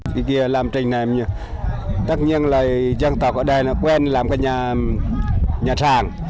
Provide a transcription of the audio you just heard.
đi kia làm trình này tất nhiên là dân tộc ở đây quen làm cái nhà trạng